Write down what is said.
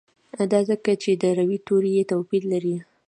دا ځکه چې د روي توري یې توپیر لري.